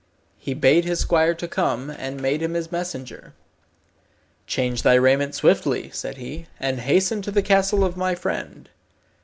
He bade his squire to come, and made him his messenger. "Change thy raiment swiftly," said he, "and hasten to the castle of my friend.